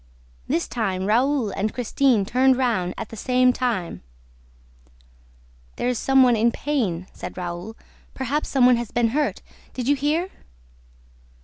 This time, Raoul and Christine turned round at the same time: "There is some one in pain," said Raoul. "Perhaps some one has been hurt. Did you hear?"